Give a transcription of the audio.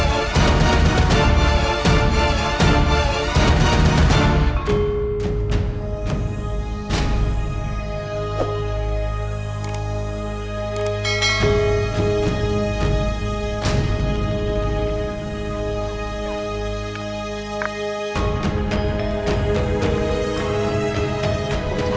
tepung petani makhluk berlarian